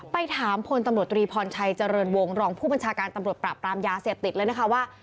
ไปถามพลตำรวจตรีพรชัยเจริญวงรองผู้บัญชาการตำรวจปราบปรามยาเสพติดเลยนะคะว่า